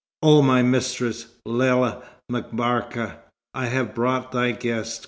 "O my mistress, Lella M'Barka, I have brought thy guest!"